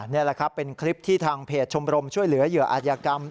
นี่แหละครับเป็นคลิปที่ทางเพจชมรมช่วยเหลือเหยื่ออาจยากรรม